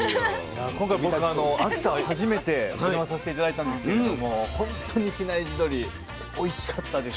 今回僕秋田は初めてお邪魔させて頂いたんですけれども本当に比内地鶏おいしかったです。